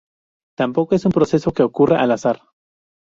Tampoco es un proceso que ocurra al azar.